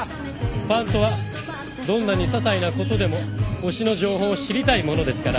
ファンとはどんなにささいなことでも推しの情報を知りたいものですから。